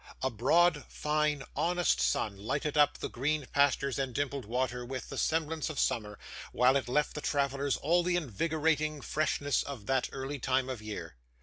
A broad, fine, honest sun lighted up the green pastures and dimpled water with the semblance of summer, while it left the travellers all the invigorating freshness of that early time of year.